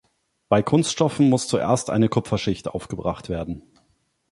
Bei Kunststoffen muss zuerst eine Kupferschicht aufgebracht werden.